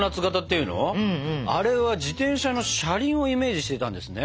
あれは自転車の車輪をイメージしてたんですね。